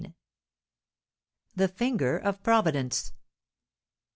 THE FINGER OF PROVIDENCE.